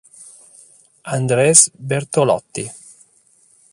Andrés Bertolotti